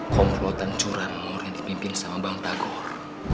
komplotan curang mur yang dipimpin sama bang tagor